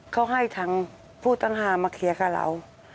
เขาให้ทางผู้ต้องหามาเคลียร์กับเรา